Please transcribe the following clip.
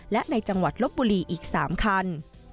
และในจังหวัดลบบุรีอีก๓คัน